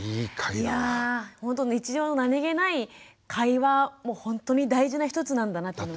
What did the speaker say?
ほんと日常の何気ない会話もほんとに大事な一つなんだなって。